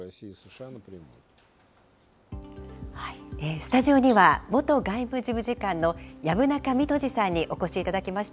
スタジオには、元外務事務次官の薮中三十二さんにお越しいただきました。